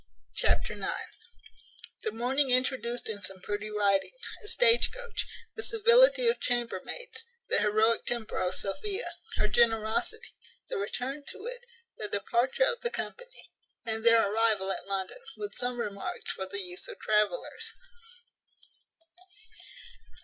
Chapter ix. The morning introduced in some pretty writing. A stagecoach. The civility of chambermaids. The heroic temper of Sophia. Her generosity. The return to it. The departure of the company, and their arrival at London; with some remarks for the use of travellers.